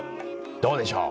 どうでしょう？